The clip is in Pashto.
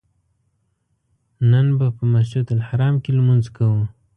نن به په مسجدالحرام کې لمونځ کوو.